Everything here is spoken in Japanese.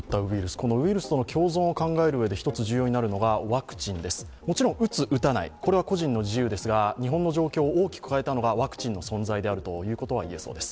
このウイルスとの共存を考えるうえで一つ重要になるのがワクチンです、もちろん打つ、打たないこれは個人の自由ですが日本の状況を大きく変えたのはワクチンの存在であるということは言えそうです。